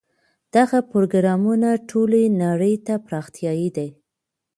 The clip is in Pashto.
دغه پروګرامونه ټولې نړۍ ته پراختیايي دي.